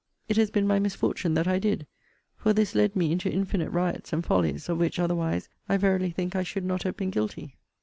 It has been my misfortune that I did: for this led me into infinite riots and follies, of which, otherwise, I verily think I should not have been guilty.